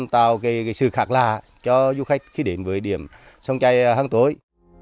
tạo sự khác lạ cho du khách khi đến với điểm sông chai hang tối